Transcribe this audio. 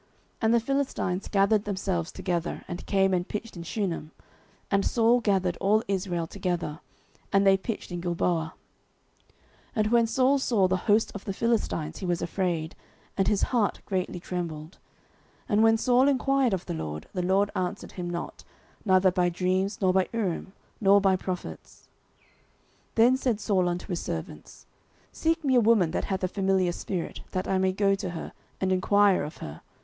09:028:004 And the Philistines gathered themselves together, and came and pitched in Shunem: and Saul gathered all Israel together, and they pitched in Gilboa. 09:028:005 And when Saul saw the host of the Philistines, he was afraid, and his heart greatly trembled. 09:028:006 And when Saul enquired of the LORD, the LORD answered him not, neither by dreams, nor by Urim, nor by prophets. 09:028:007 Then said Saul unto his servants, Seek me a woman that hath a familiar spirit, that I may go to her, and enquire of her.